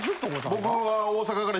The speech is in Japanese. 僕は。